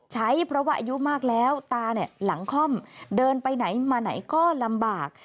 ใช้เพราะว่าอายุมากแล้วตาเนี่ยหลังค่อมเดินไปไหนมาไหนก็ลำบาก